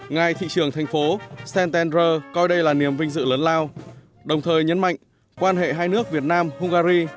ngày thị trường thành phố santander coi đây là niềm vinh dự lớn lao đồng thời nhấn mạnh quan hệ hai nước việt nam hungary